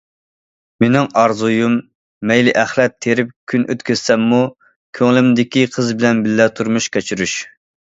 مېنىڭ ئارزۇيۇم مەيلى ئەخلەت تېرىپ كۈن ئۆتكۈزسەممۇ كۆڭلۈمدىكى قىز بىلەن بىللە تۇرمۇش كەچۈرۈش.